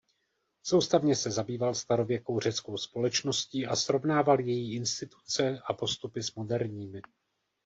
Soustavně se zabýval starověkou řeckou společností a srovnával její instituce a postupy s moderními.